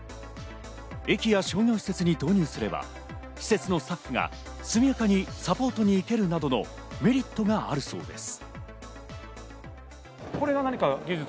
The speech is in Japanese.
駅や商業施設に導入すれば、施設のスタッフが速やかにサポートに行けるなどのメリットがあるそうです。